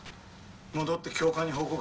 「戻って教官に報告だ」